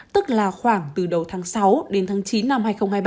tức là khoảng từ đầu tháng sáu đến tháng chín năm hai nghìn hai mươi ba